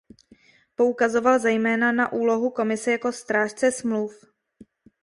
Poukazoval zejména na úlohu Komise jako strážce smluv.